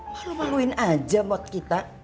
malu maluin aja buat kita